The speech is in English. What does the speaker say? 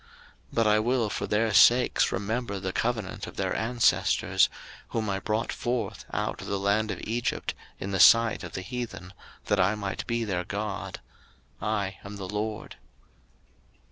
03:026:045 But I will for their sakes remember the covenant of their ancestors, whom I brought forth out of the land of Egypt in the sight of the heathen, that I might be their God: I am the LORD.